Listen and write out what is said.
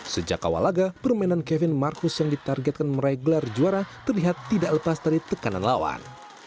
sejak awal laga permainan kevin marcus yang ditargetkan meraih gelar juara terlihat tidak lepas dari tekanan lawan